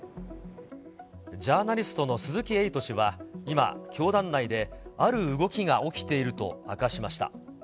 ジャーナリストの鈴木エイト氏は今、教団内である動きが起きていると明かしました。